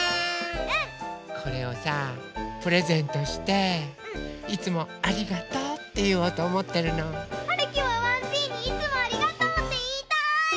これをさプレゼントして「いつもありがとう」っていおうとおもってるの。はるきもわんじいに「いつもありがとう」っていいたい！